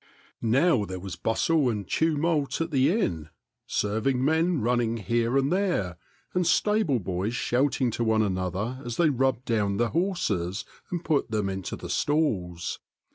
Now there was bustle and tumult at the inn, serving men running here and there, and stable boys shouting to one another as they rubbed down the horses and put them into the stalls.